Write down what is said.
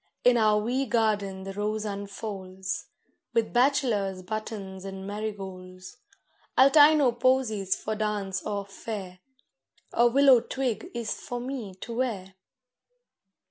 In our wee garden the rose unfolds, With bachelor's buttons and marigolds; I'll tie no posies for dance or fair, A willow twig is for me to wear.